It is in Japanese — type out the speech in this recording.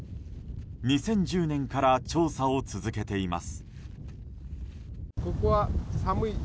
２０１０年から調査を続けています。